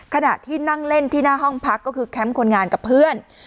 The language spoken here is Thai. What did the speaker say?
ขณะที่นั่งเล่นที่หน้าห้องพักก็คือแคมป์คนงานกับเพื่อน